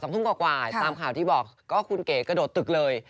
ทุ่มกว่าตามข่าวที่บอกก็คุณเก๋กระโดดตึกเลย